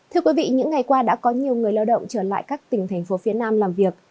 thưa quý vị những ngày qua đã có nhiều người lao động trở lại các tỉnh tp hcm làm việc